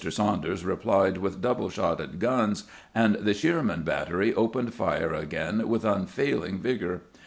Saunders replied with double shotted guns, and the Shearman battery opened fire again with unfailing vigour.